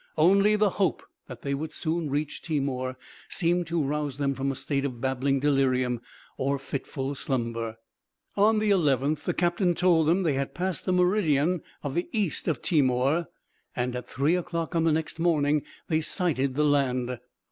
Only the hope that they would soon reach Timor seemed to rouse them from a state of babbling delirium or fitful slumber. On the 11th the captain told them they had passed the meridian of the east of Timor; and at three o'clock on the next morning they sighted the land.